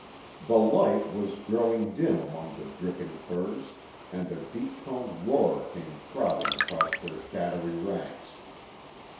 The light was growing dim among the dripping firs, and a deep toned roar came throbbing across their shadowy ranks.